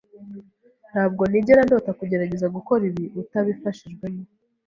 Ntabwo nigera ndota kugerageza gukora ibi utabifashijwemo.